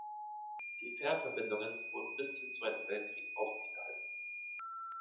Die Fährverbindungen wurden bis zum Zweiten Weltkrieg aufrechterhalten.